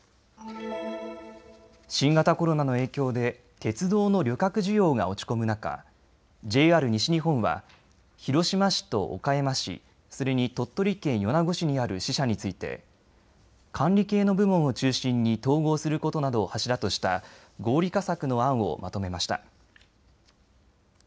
新型コロナの影響で鉄道の旅客需要が落ち込む中、ＪＲ西日本は広島市と岡山市、それに鳥取県米子市にある支社について管理系の部門を中心に統合することなどを柱とした合理化策の案をまとめました。